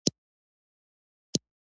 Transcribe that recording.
قومي مقاومتونو په کرارولو کې مرسته وکړه.